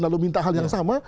lalu minta hal yang sama